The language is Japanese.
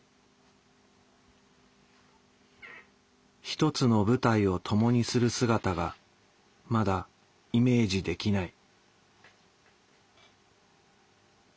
一つの舞台を共にする姿がまだイメージできない。